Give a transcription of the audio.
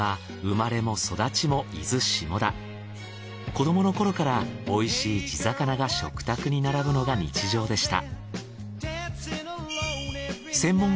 子どものころから美味しい地魚が食卓に並ぶのが日常でした。